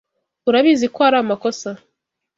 Urabizi ko ari amakosa.